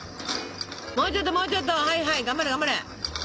もうちょっともうちょっとはいはい頑張れ頑張れ。